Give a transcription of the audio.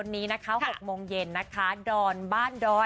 นะคะ